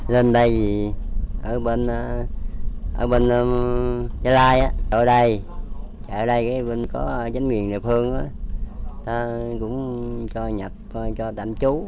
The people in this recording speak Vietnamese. lên đây ở bên gia lai á ở đây ở đây bên có chính quyền địa phương á ta cũng cho nhập cho tạm chú